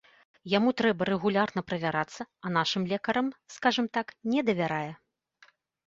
Яму трэба рэгулярна правярацца, а нашым лекарам, скажам так, не давярае.